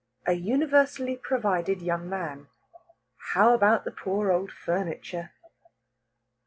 A UNIVERSALLY PROVIDED YOUNG MAN. HOW ABOUT THE POOR OLD FURNITURE?